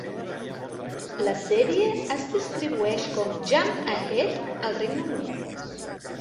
La sèrie es distribueix com "Jump Ahead" al Regne Unit.